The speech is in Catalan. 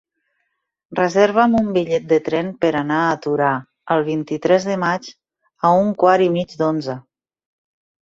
Reserva'm un bitllet de tren per anar a Torà el vint-i-tres de maig a un quart i mig d'onze.